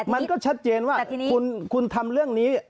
มันก็ชัดเจนว่าคุณทำเรื่องนี้